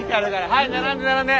はい並んで並んで！